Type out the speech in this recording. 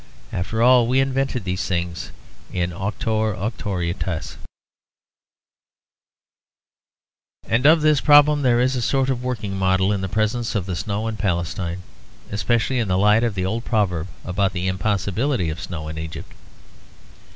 After all, we invented these things; in auctore auctoritas. And of this problem there is a sort of working model in the presence of the snow in Palestine, especially in the light of the old proverb about the impossibility of snow in Egypt.